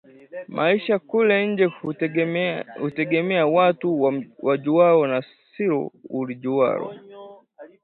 Maisha kule nje hutegemea watu uwajuao na silo ulijualo